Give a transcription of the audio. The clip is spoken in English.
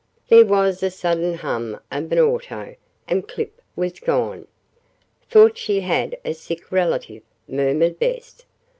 There was a sudden hum of an auto, and Clip was gone. "Thought she had a sick relative," murmured Bess.